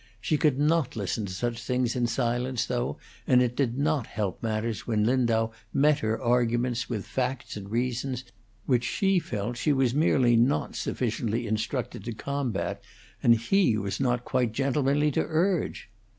She could not listen to such things in silence, though, and it did not help matters when Lindau met her arguments with facts and reasons which she felt she was merely not sufficiently instructed to combat, and he was not quite gentlemanly to urge.